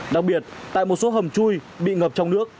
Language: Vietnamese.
đặc biệt tại một số hầm chui bị ngập trong nước